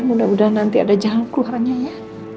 mudah mudahan nanti ada jalan keluarnya ya